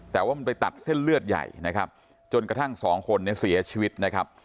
แต่ว่ามันไปตัดเส้นเลือดใหญ่นะครับจนกระทั่งสองคนเนี่ยเสียชีวิตนะครับ